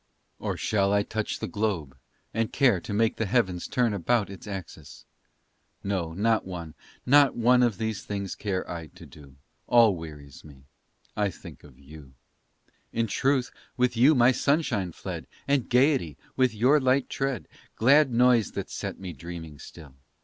Or shall I touch the globe, and care To make the heavens turn upon Its axis? No, not one not one Of all these things care I to do; All wearies me I think of you. In truth with you my sunshine fled, And gayety with your light tread Glad noise that set me dreaming still.